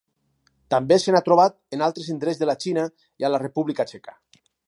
També se n'ha trobat en altres indrets de la Xina i a la República Txeca.